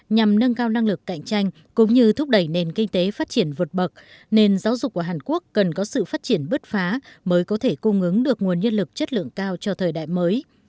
nhằm nâng cao năng lực cạnh tranh cũng như thúc đẩy nền kinh tế phát triển vượt bậc nền giáo dục của hàn quốc cần có sự phát triển bứt phá mới có thể cung ứng được nguồn nhân lực chất lượng cao cho thời đại mới